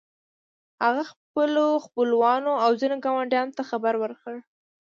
هغه خپلو خپلوانو او ځينو ګاونډيانو ته خبر ورکړ.